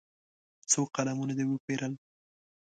څو قلمونه دې وپېرل.